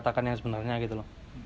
ya gimana ya maksudnya harusnya jujur